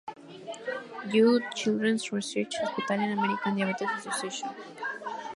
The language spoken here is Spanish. Jude Children's Research Hospital, y la American Diabetes Association.